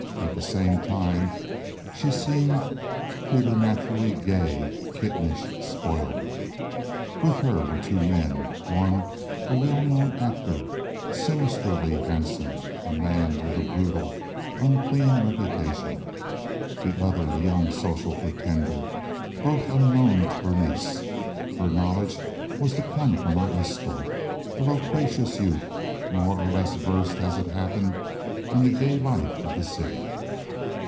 At the same time she seemed preternaturally gay, kittenish, spoiled. With her were two men—one a well known actor, sinisterly handsome, a man with a brutal, unclean reputation, the other a young social pretender—both unknown to Berenice. Her knowledge was to come from her escort, a loquacious youth, more or less versed, as it happened, in the gay life of the city.